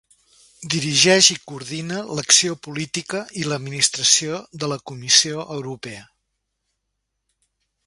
Dirigeix i coordina l'acció política i l'administració de la Comissió Europea.